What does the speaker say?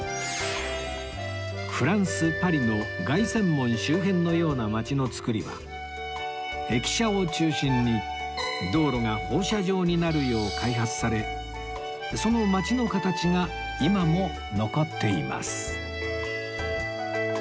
フランスパリの凱旋門周辺のような街のつくりは駅舎を中心に道路が放射状になるよう開発されその街の形が今も残っています